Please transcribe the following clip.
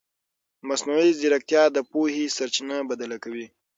مصنوعي ځیرکتیا د پوهې سرچینه بدله کوي.